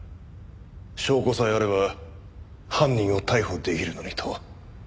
証拠さえあれば犯人を逮捕できるのにと。